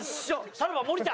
さらば森田。